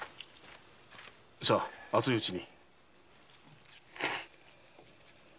さぁ熱いうちに。